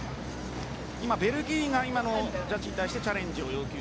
ベルギーが今のジャッジに対してチャレンジを要求。